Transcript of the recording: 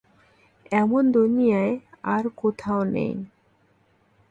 এমন দুনিয়ায় আর কোথাও নেই।